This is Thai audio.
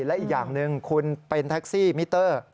และอีกอย่างหนึ่งคุณเป็นแท็กซี่มิเตอร์